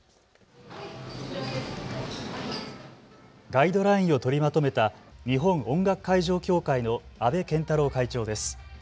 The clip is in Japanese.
ガイドラインを取りまとめた日本音楽会場協会の阿部健太郎会長です。